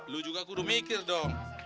lo juga guru mikir dong